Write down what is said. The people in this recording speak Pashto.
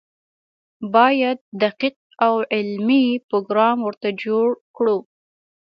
باید دقیق او علمي پروګرام ورته جوړ کړو.